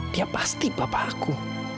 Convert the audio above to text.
dia pasti bapakku